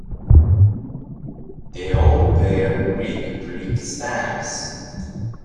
They all bear Greek brick-stamps.